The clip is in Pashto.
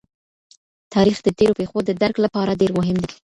تاریخ د تېرو پېښو د درک لپاره ډېر مهم دی.